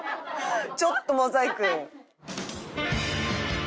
ちょっとモザイク。